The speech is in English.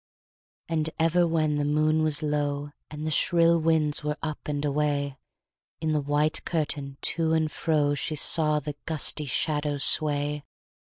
And ever when the moon was low, And the shrill winds were up and away, In the white curtain, to and fro, She saw the gusty shadow sway.